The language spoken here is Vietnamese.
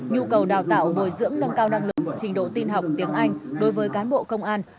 nhu cầu đào tạo bồi dưỡng nâng cao năng lực trình độ tin học tiếng anh đối với cán bộ công an